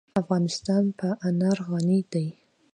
افغانستان په انار غني دی.